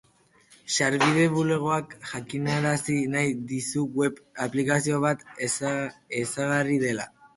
Sarbide Bulegoak jakinarazi nahi dizu web aplikazio bat ezarri dela.